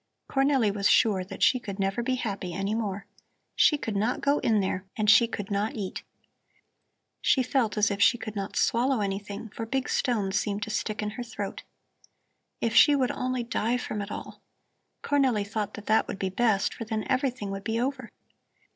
Cornelli was sure that she could never be happy any more. She could not go in there and she could not eat. She felt as if she could not swallow anything, for big stones seemed to stick in her throat. If she would only die from it all! Cornelli thought that that would be best, for then everything would be over.